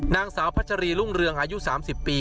นางสาวพัชรีรุ่งเรืองอายุ๓๐ปี